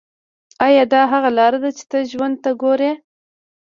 ایا دا هغه لاره ده چې ته ژوند ته ګورې